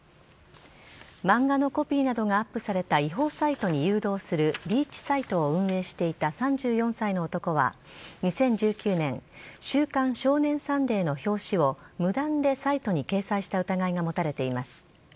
漫画のコピーなどがアップされた違法サイトに誘導するリーチサイトを運営していた３４歳の男は２０１９年「週刊少年サンデー」の表紙を無断でサイトに掲載した疑いが持たれています。